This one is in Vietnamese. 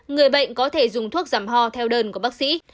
người bệnh có thể dùng thuốc giảm ho theo đơn của bác sĩ